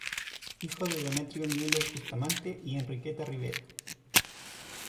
Hijo de Demetrio Müller Bustamante y Enriqueta Rivera.